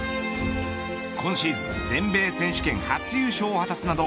今シーズン、全米選手権初優勝を果たすなど